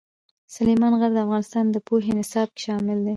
سلیمان غر د افغانستان د پوهنې نصاب کې شامل دي.